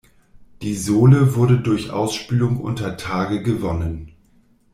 Die Sole wurde durch Ausspülung unter Tage gewonnen.